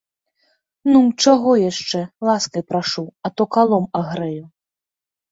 Ну, чаго яшчэ, ласкай прашу, а то калом агрэю.